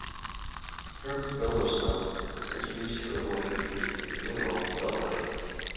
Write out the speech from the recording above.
The term "dolostone" was introduced to avoid confusion with the mineral "dolomite".